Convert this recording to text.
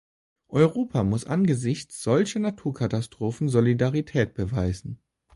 Europa muss angesichts solcher Naturkatastrophen Solidarität beweisen.